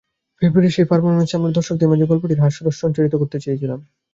ফেব্রুয়ারির সেই পারফরম্যান্সে আমরা দর্শকদের মাঝে গল্পটির হাস্যরস সঞ্চারিত করতে চেয়েছিলাম।